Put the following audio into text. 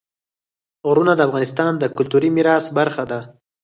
غرونه د افغانستان د کلتوري میراث برخه ده.